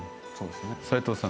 斎藤さん。